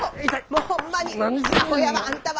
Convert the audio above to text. もうホンマにアホやわあんたは！